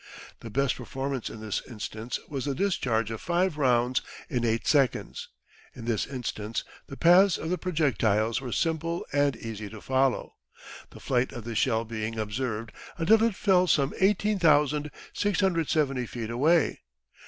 The best performance in this instance was the discharge of five rounds in eight seconds. In this instance the paths of the projectiles were simple and easy to follow, the flight of the shell being observed until it fell some 18,670 feet away.